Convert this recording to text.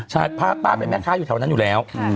ใช่พระป้าเป็นแม่ค้าอยู่แถวนั้นอยู่แล้ว